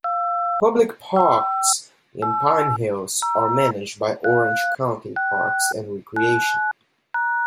Public parks in Pine Hills are managed by Orange County Parks and Recreation.